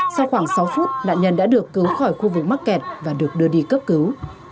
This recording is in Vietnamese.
sau khoảng sáu phút nạn nhân đã được cứu khỏi khu vực mắc kẹt và được đưa đi cấp cứu